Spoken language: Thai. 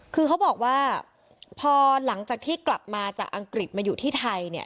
คือเขาบอกว่าพอหลังจากที่กลับมาจากอังกฤษมาอยู่ที่ไทยเนี่ย